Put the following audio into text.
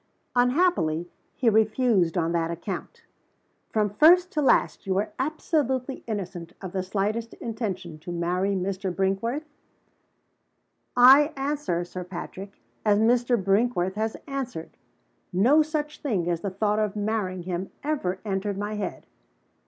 "Unhappily, he refused on that account." "From first to last, you were absolutely innocent of the slightest intention to marry Mr. Brinkworth?" "I answer, Sir Patrick, as Mr. Brinkworth has answered. No such thing as the thought of marrying him ever entered my head."